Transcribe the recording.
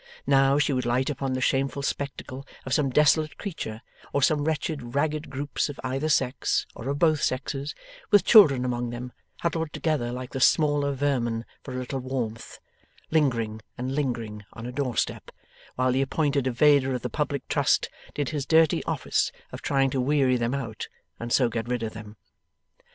Now, she would light upon the shameful spectacle of some desolate creature or some wretched ragged groups of either sex, or of both sexes, with children among them, huddled together like the smaller vermin for a little warmth lingering and lingering on a doorstep, while the appointed evader of the public trust did his dirty office of trying to weary them out and so get rid of them.